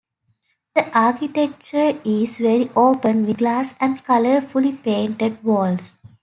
The architecture is very open, with glass and colourfully painted walls.